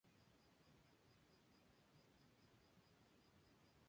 En Martinica, un meteorólogo reportó por lo menos de lluvia.